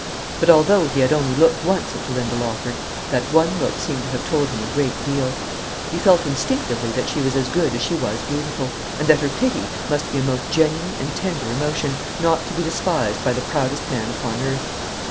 But although he had only looked once at Belinda Lawford, that one look seemed to have told him a great deal. He felt instinctively that she was as good as she was beautiful, and that her pity must be a most genuine and tender emotion, not to be despised by the proudest man upon earth.